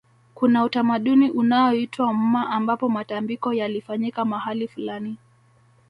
Kuna utamaduni unaoitwa mma ambapo matambiko yalifanyika mahali fulani